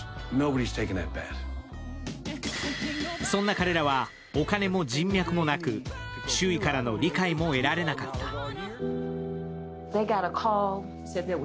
そんな彼らはお金も人脈もなく、周囲からの理解も得られなかった。